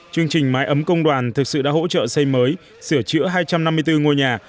chương trình mái ấm công đoàn thực sự đã hỗ trợ xây mới sửa chữa hai trăm năm mươi bốn ngôi nhà